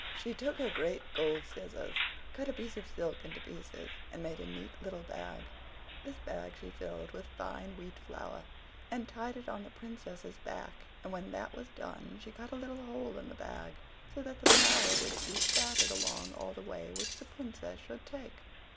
She took her great gold scissors, cut a piece of silk into pieces, and made a neat little bag; this bag she filled with fine wheat flour, and tied it on the Princess's back, and when that was done, she cut a little hole in the bag, so that the flour would be scattered along all the way which the Princess should take.